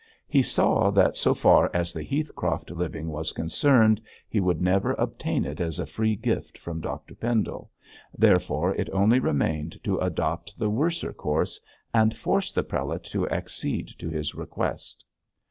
He saw that so far as the Heathcroft living was concerned he would never obtain it as a free gift from Dr Pendle, therefore it only remained to adopt the worser course, and force the prelate to accede to his request.